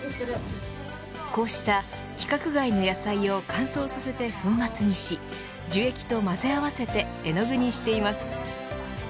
こうした規格外の野菜を乾燥させて粉末にし樹液と混ぜ合わせて絵の具にしています。